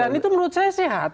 dan itu menurut saya sehat